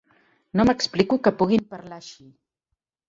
No m'explico que puguin parlar així.